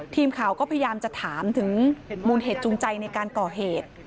ทีมข่าวก็พยายามจะถามถึงมูลเหตุจูงใจในการก่อเหตุ